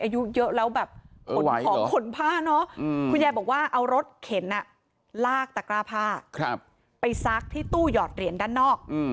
อายุเยอะแล้วแบบขนของขนผ้าเนอะคุณยายบอกว่าเอารถเข็นลากตะกร้าผ้าไปซักที่ตู้หยอดเหรียญด้านนอก